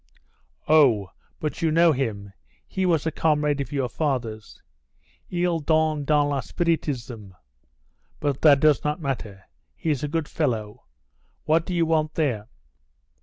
Oh, but you know him; he was a comrade of your father's. Il donne dans le spiritisme. But that does not matter, he is a good fellow. What do you want there?"